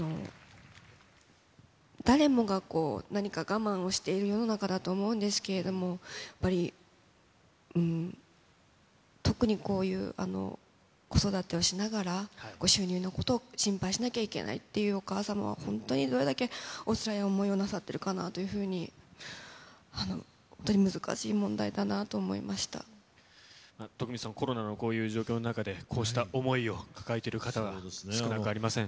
誰もがこう、何か、我慢をしている世の中だと思うんですけれども、やっぱり、特にこういう、子育てをしながら、収入のことを心配しなきゃいけないっていうお母様は本当にどれだけおつらい思いをなさってるかなというふうに、本当に難しい問題徳光さん、コロナのこういう状況の中でこうした想いを抱えている方が少なくありません。